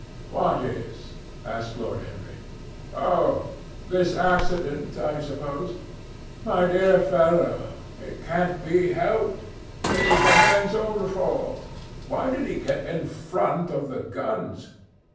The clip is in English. "What is?" asked Lord Henry. "Oh! this accident, I suppose. My dear fellow, it can't be helped. It was the man's own fault. Why did he get in front of the guns?